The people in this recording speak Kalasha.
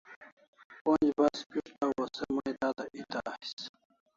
Pon'j bas pishtaw o se mai tada eta ais